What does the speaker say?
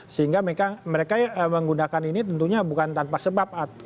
sehingga mereka menggunakan ini tentunya bukan tanpa sebab